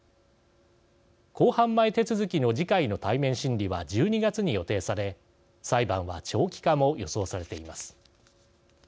公判前手続きの次回の対面審理は１２月に予定され裁判は長期化も予想されています。